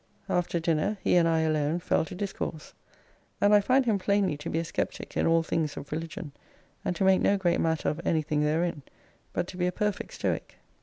After dinner he and I alone fell to discourse, and I find him plainly to be a sceptic in all things of religion, and to make no great matter of anything therein, but to be a perfect Stoic.